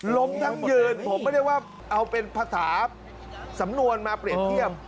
ล้มทั้งยืนผมไม่ได้ว่าเอาเป็นภาษาสำนวนมาเปรียบเทียบ